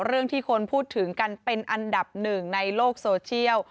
เรื่องที่คนพูดถึงกันเป็นอันดับหนึ่งในโลกโซเชียล